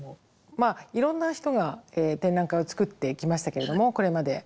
まあいろんな人が展覧会を作ってきましたけれどもこれまで。